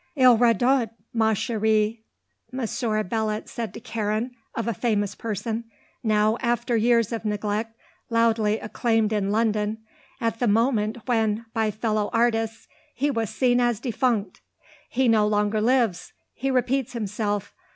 "Il radote, ma chèrie," Monsieur Belot said to Karen of a famous person, now, after years of neglect, loudly acclaimed in London at the moment when, by fellow artists, he was seen as defunct. "He no longer lives; he repeats himself.